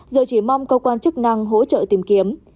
giờ chỉ mong cơ quan chức năng hỗ trợ tìm kiếm